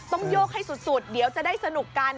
ต้องโยกให้สุดเดี๋ยวจะได้สนุกกัน